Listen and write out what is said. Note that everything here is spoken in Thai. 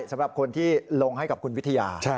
สำหรับคนที่ลงให้กับคุณวิทยา